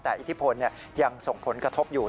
แต่อิทธิพลยังส่งผลกระทบอยู่